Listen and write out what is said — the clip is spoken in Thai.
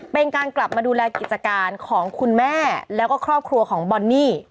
เป็นการกลับมาดูแลกิจการของคุณแม่แล้วก็ครอบครัวของบอนนี่